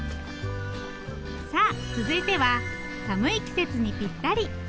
さあ続いては寒い季節にぴったり。